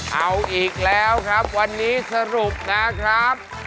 เอาอีกแล้วครับวันนี้สรุปนะครับ